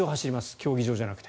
競技場じゃなくて。